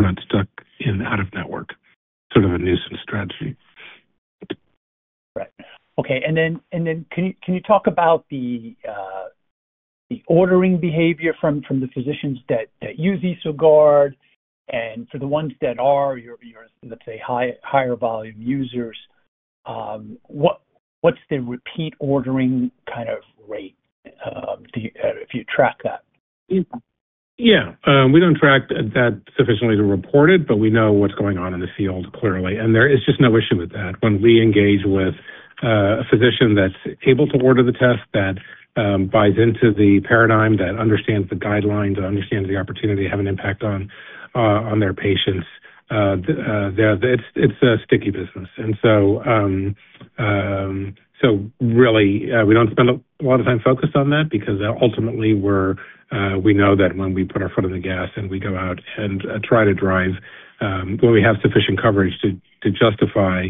not stuck in out-of-network. Sort of a nuisance strategy. Right. Okay. Can you talk about the ordering behavior from the physicians that use EsoGuard? For the ones that are, let's say, higher volume users, what's the repeat ordering kind of rate if you track that? Yeah. We do not track that sufficiently to report it, but we know what is going on in the field clearly. There is just no issue with that. When we engage with a physician that is able to order the test, that buys into the paradigm, that understands the guidelines, that understands the opportunity, have an impact on their patients, it is a sticky business. We do not spend a lot of time focused on that because ultimately we know that when we put our foot on the gas and we go out and try to drive, when we have sufficient coverage to justify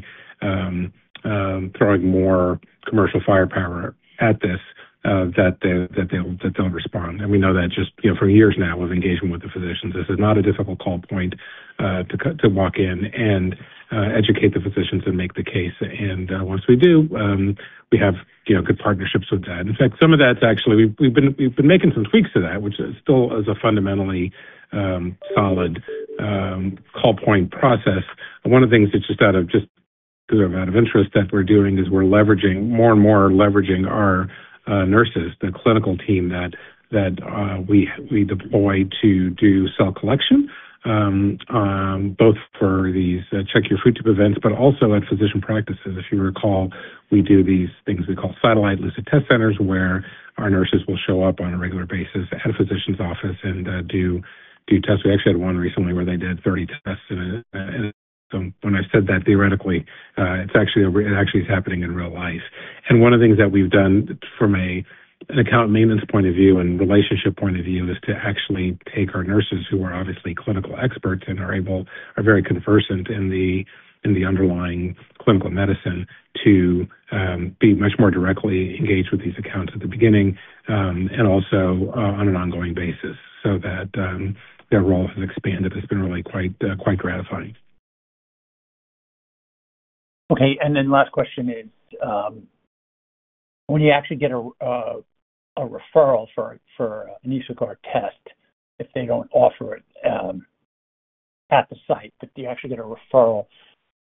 throwing more commercial firepower at this, that they will respond. We know that just from years now of engagement with the physicians. This is not a difficult call point to walk in and educate the physicians and make the case. Once we do, we have good partnerships with that. In fact, some of that actually we've been making some tweaks to that, which still is a fundamentally solid call point process. One of the things that's just out of just because of out of interest that we're doing is we're leveraging more and more leveraging our nurses, the clinical team that we deploy to do cell collection, both for these check-your-food-tip events, but also at physician practices. If you recall, we do these things we call satellite Lucid test centers where our nurses will show up on a regular basis at a physician's office and do tests. We actually had one recently where they did 30 tests. When I said that theoretically, it actually is happening in real life. One of the things that we have done from an account maintenance point of view and relationship point of view is to actually take our nurses who are obviously clinical experts and are very conversant in the underlying clinical medicine to be much more directly engaged with these accounts at the beginning and also on an ongoing basis so that their role has expanded. It has been really quite gratifying. Okay. And then last question is, when you actually get a referral for an EsoGuard test, if they do not offer it at the site, but you actually get a referral,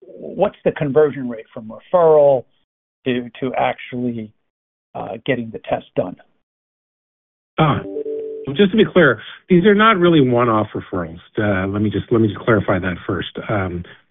what is the conversion rate from referral to actually getting the test done? Just to be clear, these are not really one-off referrals. Let me just clarify that first.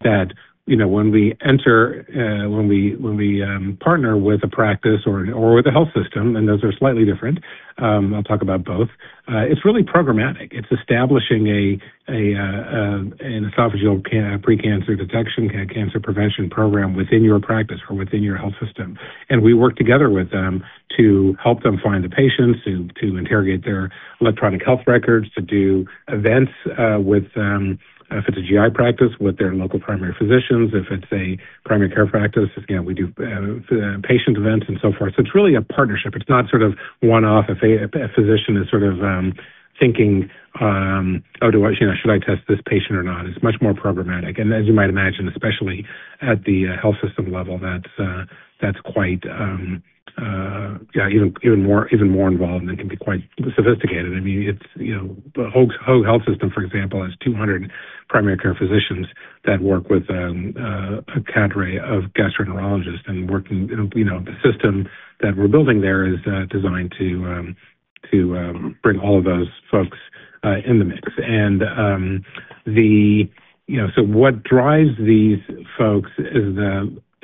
That when we enter, when we partner with a practice or with a health system, and those are slightly different, I'll talk about both, it's really programmatic. It's establishing an esophageal precancer detection, cancer prevention program within your practice or within your health system. We work together with them to help them find the patients, to interrogate their electronic health records, to do events with, if it's a GI practice, with their local primary physicians. If it's a primary care practice, we do patient events and so forth. It is really a partnership. It's not sort of one-off. A physician is sort of thinking, "Oh, should I test this patient or not?" It's much more programmatic. As you might imagine, especially at the health system level, that's quite even more involved and can be quite sophisticated. I mean, the Hoag Health System, for example, has 200 primary care physicians that work with a cadre of gastroenterologists. The system that we're building there is designed to bring all of those folks in the mix. What drives these folks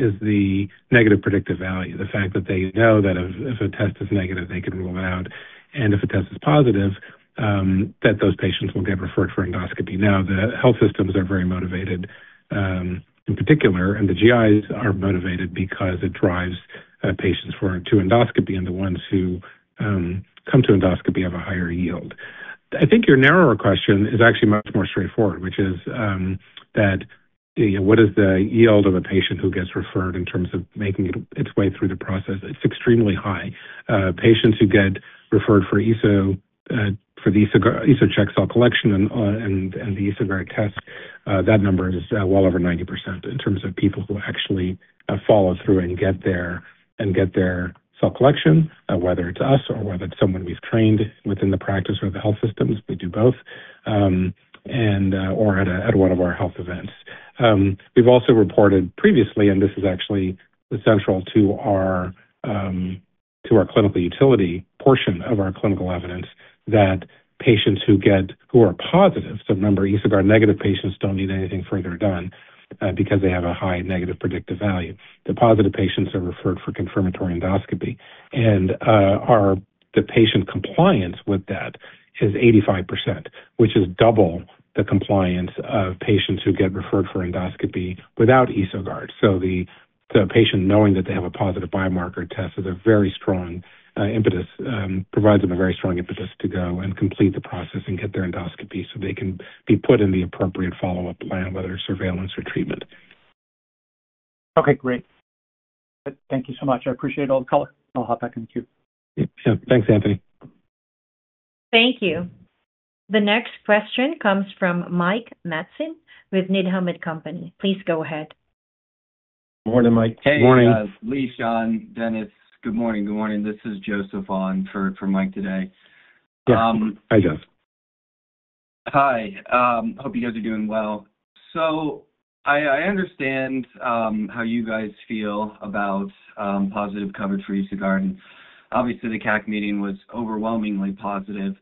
is the negative predictive value, the fact that they know that if a test is negative, they can rule it out. If a test is positive, those patients will get referred for endoscopy. The health systems are very motivated in particular, and the GIs are motivated because it drives patients to endoscopy, and the ones who come to endoscopy have a higher yield. I think your narrower question is actually much more straightforward, which is that what is the yield of a patient who gets referred in terms of making its way through the process? It's extremely high. Patients who get referred for the EsoCheck cell collection and the EsoGuard test, that number is well over 90% in terms of people who actually follow through and get their cell collection, whether it's us or whether it's someone we've trained within the practice or the health systems. We do both or at one of our health events. We've also reported previously, and this is actually central to our clinical utility portion of our clinical evidence, that patients who are positive, so remember, EsoGuard negative patients don't need anything further done because they have a high negative predictive value. The positive patients are referred for confirmatory endoscopy. The patient compliance with that is 85%, which is double the compliance of patients who get referred for endoscopy without EsoGuard. The patient knowing that they have a positive biomarker test is a very strong impetus, provides them a very strong impetus to go and complete the process and get their endoscopy so they can be put in the appropriate follow-up plan, whether it's surveillance or treatment. Okay, great. Thank you so much. I appreciate all the calls. I'll hop back in the queue. Yeah. Thanks, Anthony. Thank you. The next question comes from Mike Matson with Needham & Company. Please go ahead. Good morning, Mike. Hey, Lishan, Dennis, good morning. Good morning. This is Joseph on for Mike today. Yes, I just. Hi. Hope you guys are doing well. I understand how you guys feel about positive coverage for EsoGuard. Obviously, the CAC meeting was overwhelmingly positive.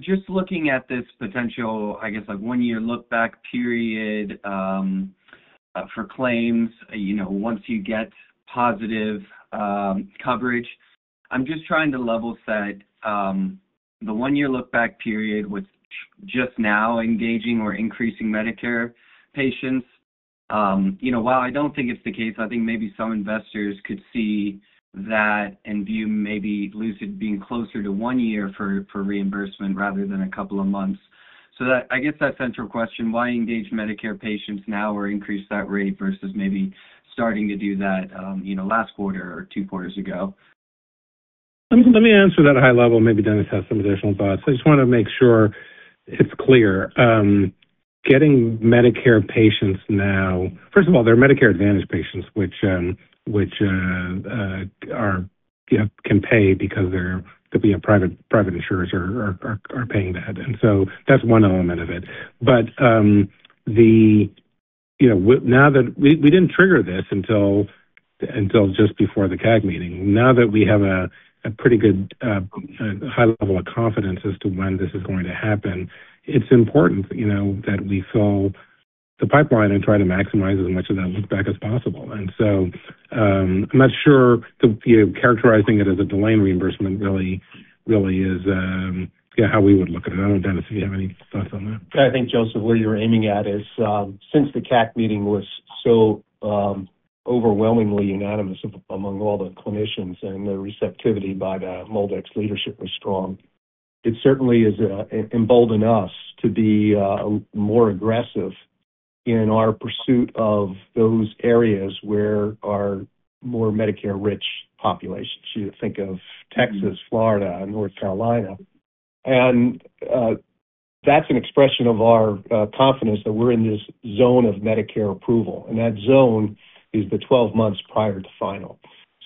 Just looking at this potential, I guess, one-year look-back period for claims once you get positive coverage, I'm just trying to level set the one-year look-back period with just now engaging or increasing Medicare patients. While I don't think it's the case, I think maybe some investors could see that and view maybe Lucid being closer to one year for reimbursement rather than a couple of months. I guess that central question, why engage Medicare patients now or increase that rate versus maybe starting to do that last quarter or two quarters ago? Let me answer that at a high level. Maybe Dennis has some additional thoughts. I just want to make sure it's clear. Getting Medicare patients now, first of all, they're Medicare Advantage patients, which can pay because they're going to be a private insurer or are paying that. That is one element of it. Now that we didn't trigger this until just before the CAG meeting. Now that we have a pretty good high level of confidence as to when this is going to happen, it's important that we fill the pipeline and try to maximize as much of that look-back as possible. I'm not sure characterizing it as a delay in reimbursement really is how we would look at it. I don't know, Dennis, if you have any thoughts on that. I think, Joseph, what you're aiming at is since the CAC meeting was so overwhelmingly unanimous among all the clinicians and the receptivity by the MolDX leadership was strong, it certainly has emboldened us to be more aggressive in our pursuit of those areas where our more Medicare-rich population, you think of Texas, Florida, North Carolina. That is an expression of our confidence that we're in this zone of Medicare approval. That zone is the 12 months prior to final.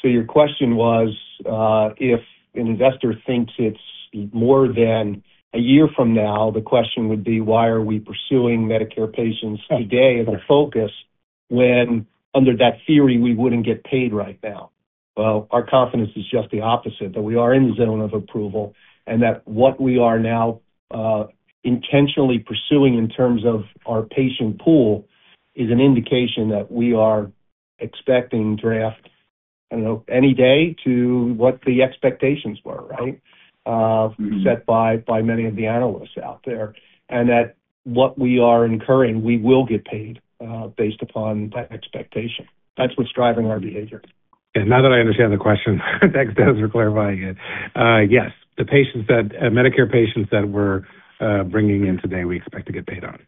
Your question was if an investor thinks it's more than a year from now, the question would be, why are we pursuing Medicare patients today as a focus when under that theory, we wouldn't get paid right now? Our confidence is just the opposite, that we are in the zone of approval and that what we are now intentionally pursuing in terms of our patient pool is an indication that we are expecting draft, I don't know, any day to what the expectations were, right, set by many of the analysts out there. That what we are incurring, we will get paid based upon that expectation. That's what's driving our behavior. Now that I understand the question, thanks, Dennis, for clarifying it. Yes, the Medicare patients that we're bringing in today, we expect to get paid on.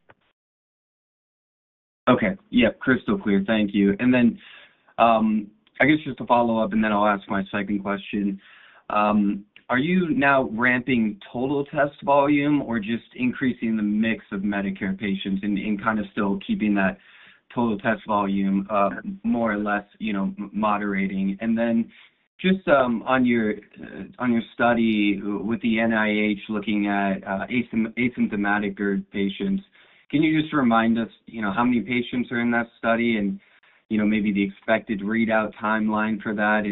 Okay. Yep, crystal clear. Thank you. I guess just to follow up, and then I'll ask my second question. Are you now ramping total test volume or just increasing the mix of Medicare patients and kind of still keeping that total test volume more or less moderating? Just on your study with the NIH looking at asymptomatic patients, can you just remind us how many patients are in that study and maybe the expected readout timeline for that?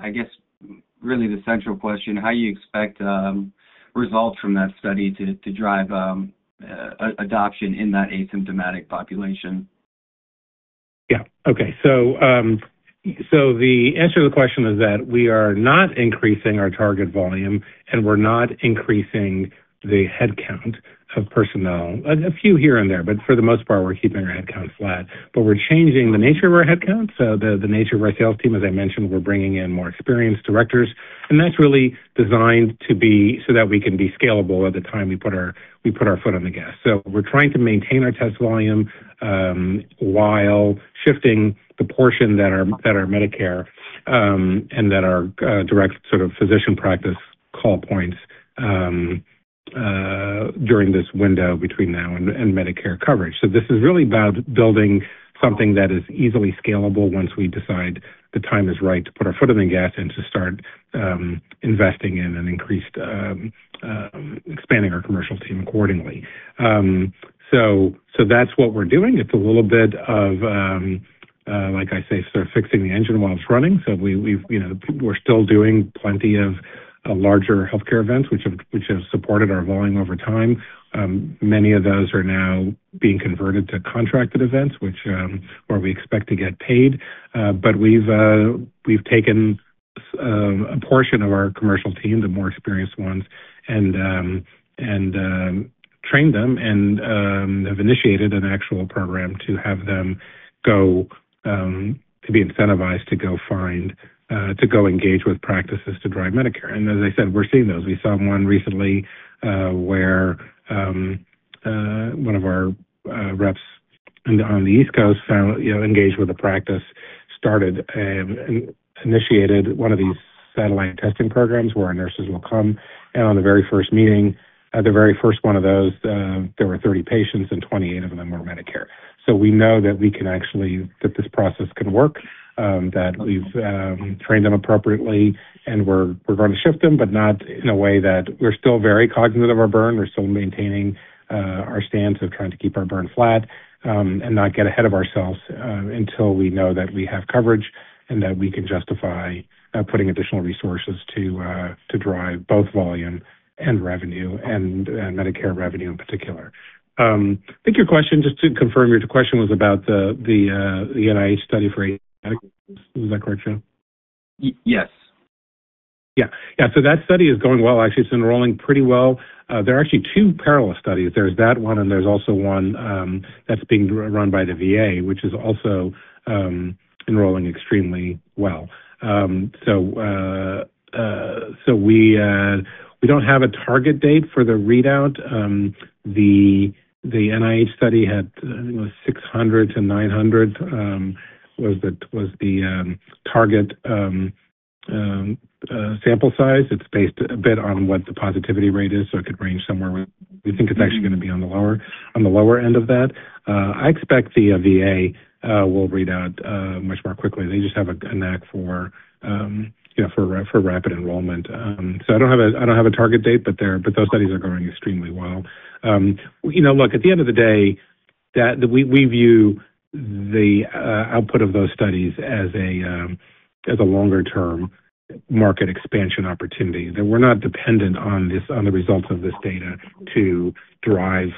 I guess really the central question, how do you expect results from that study to drive adoption in that asymptomatic population? Yeah. Okay. So the answer to the question is that we are not increasing our target volume, and we're not increasing the headcount of personnel. A few here and there, but for the most part, we're keeping our headcount flat. We're changing the nature of our headcount. The nature of our sales team, as I mentioned, we're bringing in more experienced directors. That's really designed to be so that we can be scalable at the time we put our foot on the gas. We're trying to maintain our test volume while shifting the portion that are Medicare and that are direct sort of physician practice call points during this window between now and Medicare coverage. This is really about building something that is easily scalable once we decide the time is right to put our foot on the gas and to start investing in and increasing, expanding our commercial team accordingly. That is what we are doing. It is a little bit of, like I say, sort of fixing the engine while it is running. We are still doing plenty of larger healthcare events, which have supported our volume over time. Many of those are now being converted to contracted events where we expect to get paid. We have taken a portion of our commercial team, the more experienced ones, and trained them and have initiated an actual program to have them be incentivized to go engage with practices to drive Medicare. As I said, we are seeing those. We saw one recently where one of our reps on the East Coast engaged with a practice, started and initiated one of these satellite testing programs where our nurses will come. On the very first meeting, the very first one of those, there were 30 patients, and 28 of them were Medicare. We know that this process can work, that we've trained them appropriately, and we're going to shift them, but not in a way that we're still very cognizant of our burn. We're still maintaining our stance of trying to keep our burn flat and not get ahead of ourselves until we know that we have coverage and that we can justify putting additional resources to drive both volume and revenue and Medicare revenue in particular. I think your question, just to confirm your question, was about the NIH study for ACE Medical. Is that correct, Joe? Yes. Yeah. Yeah. So that study is going well. Actually, it's enrolling pretty well. There are actually two parallel studies. There's that one, and there's also one that's being run by the VA, which is also enrolling extremely well. We don't have a target date for the readout. The NIH study had 600-900 was the target sample size. It's based a bit on what the positivity rate is. It could range somewhere. We think it's actually going to be on the lower end of that. I expect the VA will read out much more quickly. They just have a knack for rapid enrollment. I don't have a target date, but those studies are going extremely well. Look, at the end of the day, we view the output of those studies as a longer-term market expansion opportunity. We're not dependent on the results of this data to drive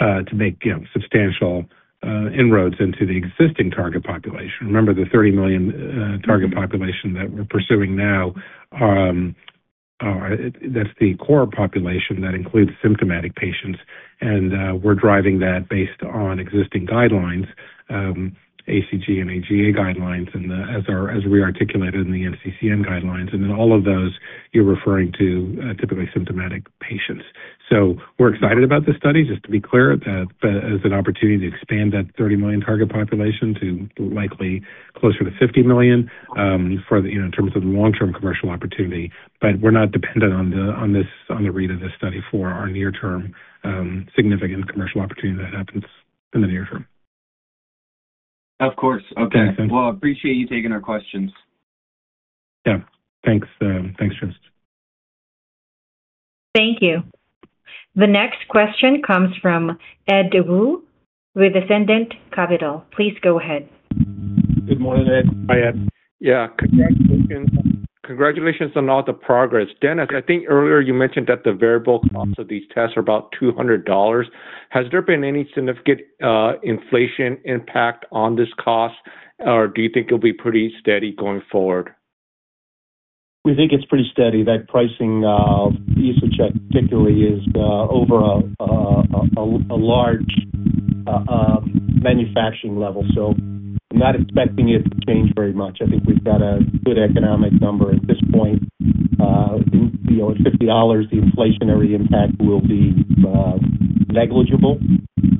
to make substantial inroads into the existing target population. Remember the 30 million target population that we're pursuing now, that's the core population that includes symptomatic patients. We're driving that based on existing guidelines, ACG and AGA guidelines, and as we articulated in the NCCN guidelines. All of those, you're referring to typically symptomatic patients. We're excited about this study, just to be clear, as an opportunity to expand that 30 million target population to likely closer to 50 million in terms of the long-term commercial opportunity. We're not dependent on the read of this study for our near-term significant commercial opportunity that happens in the near term. Of course. Okay. I appreciate you taking our questions. Yeah. Thanks. Thanks, Joseph. Thank you. The next question comes from Ed Woo with Ascendent Capital. Please go ahead. Good morning, Ed. Hi, Ed. Yeah. Congratulations on all the progress. Dennis, I think earlier you mentioned that the variable costs of these tests are about $200. Has there been any significant inflation impact on this cost, or do you think it'll be pretty steady going forward? We think it's pretty steady. That pricing of EsoCheck particularly is over a large manufacturing level. I'm not expecting it to change very much. I think we've got a good economic number at this point. At $50, the inflationary impact will be negligible.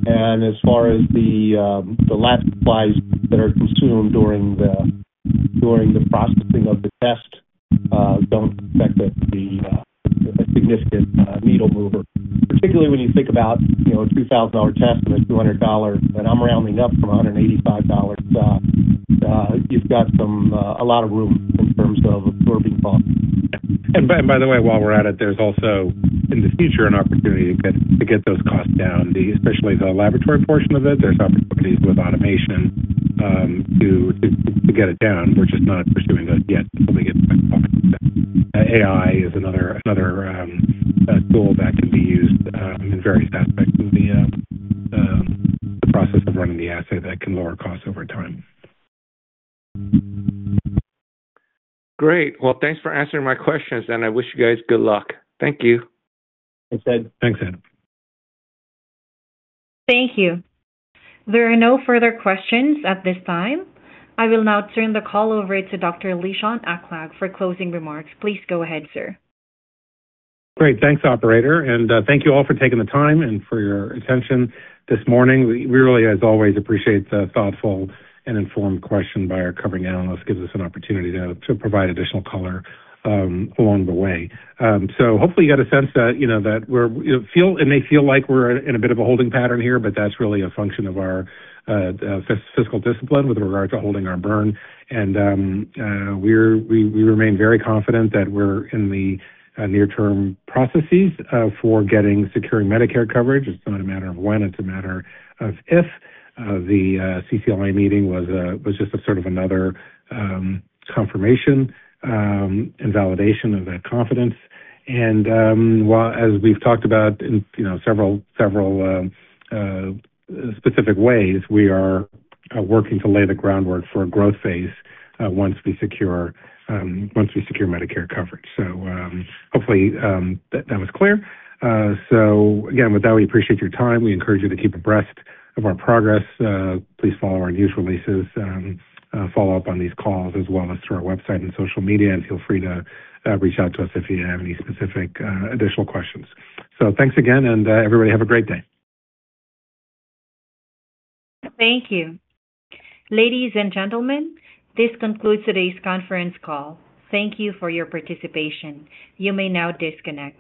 As far as the lab supplies that are consumed during the processing of the test, they do not affect a significant needle mover. Particularly when you think about a $2,000 test and a $200, and I'm rounding up from $185, you've got a lot of room in terms of absorbing costs. By the way, while we're at it, there's also in the future an opportunity to get those costs down, especially the laboratory portion of it. There's opportunities with automation to get it down. We're just not pursuing that yet. AI is another tool that can be used in various aspects of the process of running the asset that can lower costs over time. Great. Thanks for answering my questions, and I wish you guys good luck. Thank you. Thanks, Ed. Thanks, Ed. Thank you. There are no further questions at this time. I will now turn the call over to Dr. Lishan Aklog for closing remarks. Please go ahead, sir. Great. Thanks, operator. Thank you all for taking the time and for your attention this morning. We really, as always, appreciate the thoughtful and informed question by our covering analyst. It gives us an opportunity to provide additional color along the way. Hopefully, you got a sense that we feel and they feel like we're in a bit of a holding pattern here, but that's really a function of our fiscal discipline with regard to holding our burn. We remain very confident that we're in the near-term processes for getting securing Medicare coverage. It's not a matter of if. It's a matter of when. The CCLA meeting was just sort of another confirmation and validation of that confidence. As we've talked about in several specific ways, we are working to lay the groundwork for a growth phase once we secure Medicare coverage. Hopefully, that was clear. Again, with that, we appreciate your time. We encourage you to keep abreast of our progress. Please follow our news releases, follow up on these calls as well as through our website and social media, and feel free to reach out to us if you have any specific additional questions. Thanks again, and everybody have a great day. Thank you. Ladies and gentlemen, this concludes today's conference call. Thank you for your participation. You may now disconnect.